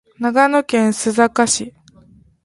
長野県須坂市